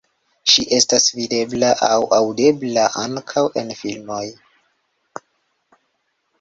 Ŝi estas videbla aŭ aŭdebla ankaŭ en filmoj.